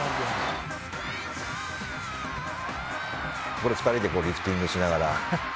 これ２人でリフティングしながら。